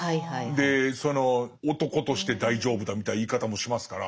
でその男として大丈夫だみたいな言い方もしますから。